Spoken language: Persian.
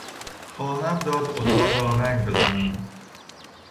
خواهم داد اتاق را رنگ بزنند.